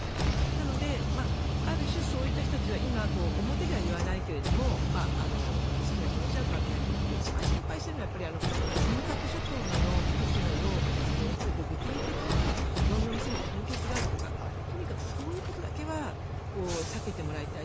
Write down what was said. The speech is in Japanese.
なので、ある種そういった人たちは今、表では言わないけど好きな気持ちは変わらないということで一番心配しているのは尖閣諸島の時のように具体的に色んなお店に攻撃があるとかとにかくそういうことだけは避けてもらいたい。